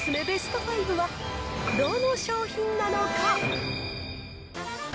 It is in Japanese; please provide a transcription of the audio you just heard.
ベスト５はどの商品なのか。